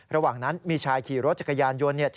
ระหว่างนั้นมีชายขี่รถจักรยานยนต์